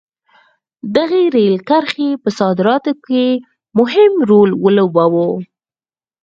دغې رېل کرښې په صادراتو کې مهم رول ولوباوه.